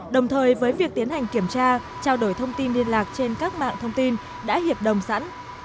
đồng thời với việc tiến hành kiểm tra trao đổi thông tin liên lạc trên các mạng thông tin đã hiệp đồng sẵn